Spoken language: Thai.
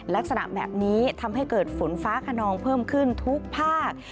ลักษณะแบบนี้ทำให้เกิดฝนฟ้าขนองเพิ่มขึ้นทุกภาค